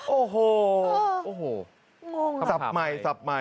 โอ้โหสับใหม่สับใหม่